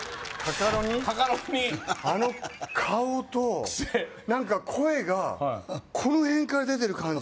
カカロニあの顔とクセ何か声がこの辺から出てる感じ